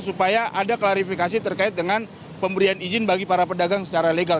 supaya ada klarifikasi terkait dengan pemberian izin bagi para pedagang secara legal